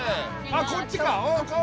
あっこっちか！